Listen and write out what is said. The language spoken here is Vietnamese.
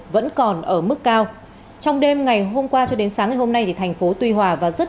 vẫn còn ở mức cao trong đêm ngày hôm qua cho đến sáng ngày hôm nay thì thành phố tuy hòa và rất